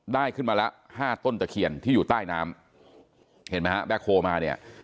ได้ขึ้นมาละห้าต้นตะเคียนที่อยู่ใต้น้ำเห็นไหมฮะแบ็คโฮมาเนี่ย